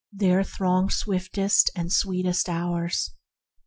there throng Swiftest and sweetest hours!"